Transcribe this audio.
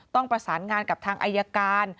ต้องประสานงานกับทางอายการ